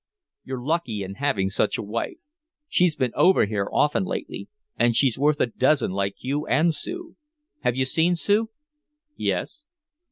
"You're lucky in having such a wife. She's been over here often lately and she's worth a dozen like you and Sue. Have you seen Sue?" "Yes."